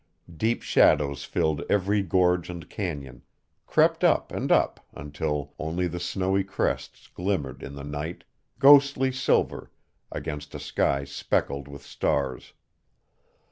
Deep shadows filled every gorge and canyon, crept up and up until only the snowy crests glimmered in the night, ghostly silver against a sky speckled with stars.